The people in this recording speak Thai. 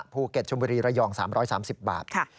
ภูเก็ตชมบุรีระยอง๓๓๐บาท